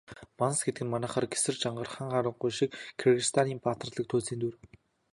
Манас гэдэг нь манайхаар Гэсэр, Жангар, Хан Харангуй шиг Киргизстаны баатарлаг туульсын дүр.